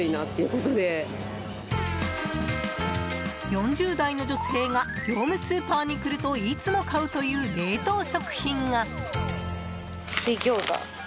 ４０代の女性が業務スーパーに来るといつも買うという冷凍食品が。